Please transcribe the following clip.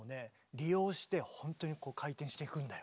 利用して本当に回転していくんだよ。